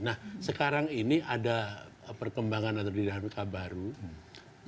nah sekarang ini ada perkembangan atau didahari kabar yang kemudian juga